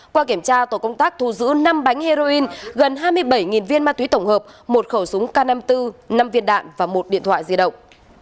qua kiểm tra tổ công tác thu giữ năm bánh heroin gần hai mươi bảy viên ma túy tổng hợp một khẩu súng k năm mươi bốn năm viên đạn và một điện thoại di động